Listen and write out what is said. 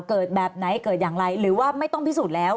แบบไหนเกิดอย่างไรหรือว่าไม่ต้องพิสูจน์แล้ว